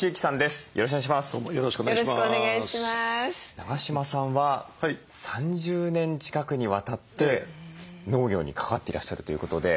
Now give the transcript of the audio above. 永島さんは３０年近くにわたって農業に関わっていらっしゃるということで。